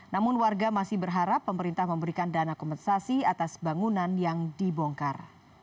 namun warga masih berharap pemerintah memberikan dana kompensasi atas bangunan yang dibongkar